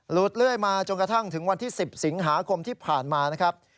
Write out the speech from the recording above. เรื่อยมาจนกระทั่งถึงวันที่๑๐สิงหาคมที่ผ่านมานะครับ